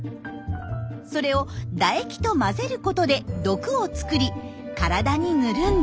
それを唾液と混ぜることで毒を作り体に塗るんです。